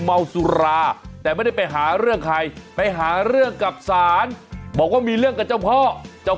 เมาสุราแต่ไม่ได้ไปหาเรื่องใครไปหาเรื่องกับศาลบอกว่ามีเรื่องกับเจ้าพ่อเจ้า